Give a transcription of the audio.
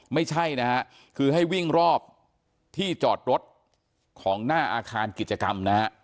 ไม่ใช่นะฮะคือให้วิ่งรอบที่จอดรถของหน้าอาคารกิจกรรมนะฮะ